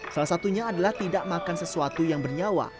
salah satunya adalah tidak makan sesuatu yang bernyawa